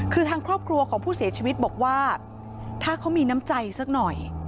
คือทางครอบครัวของผู้เสียชีวิตบอกว่าถ้าเขามีน้ำใจสักหน่อย